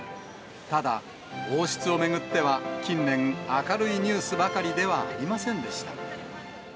ただ、王室を巡っては近年、明るいニュースばかりではありませんでした。